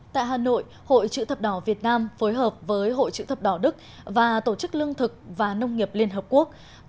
tại hà nội hội chữ thập đỏ việt nam phối hợp với hội chữ thập đỏ đức và tổ chức lương thực và nông nghiệp liên hợp quốc